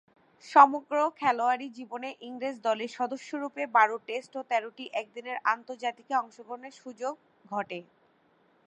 সমগ্র খেলোয়াড়ী জীবনে ইংরেজ দলের সদস্যরূপে বারো টেস্ট ও তেরোটি একদিনের আন্তর্জাতিকে অংশগ্রহণের সুযোগ ঘটে।